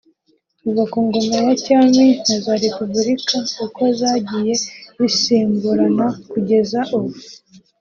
Kuva ku ngoma ya cyami na za Repubulika uko zagiye zisimburana kugeza ubu